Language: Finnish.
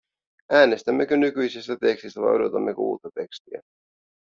Äänestämmekö nykyisestä tekstistä vai odotammeko uutta tekstiä?